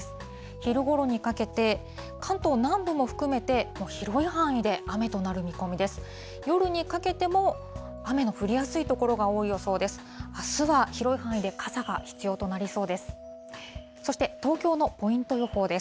昼ごろにかけて、関東南部も含めて、広い範囲で雨となる見込みです。